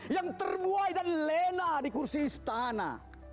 yang terbuai dan lena di kursi istana